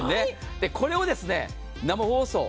これを生放送。